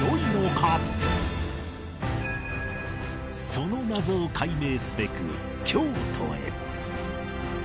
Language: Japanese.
その謎を解明すべく京都へ